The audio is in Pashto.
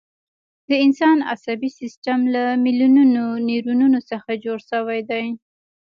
د انسان عصبي سیستم له میلیونونو نیورونونو څخه جوړ شوی دی.